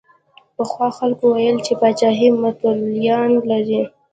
پخوا خلکو ویل چې پاچاهي متولیان لري.